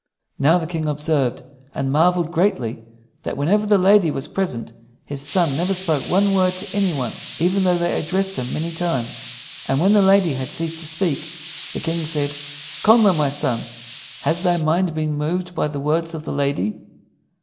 Now the King observed, and marveled greatly, that whenever the lady was present his son never spoke one word to any one, even though they addressed him many times. And when the lady had ceased to speak, the King said: "Connla, my son, has thy mind been moved by the words of the lady?"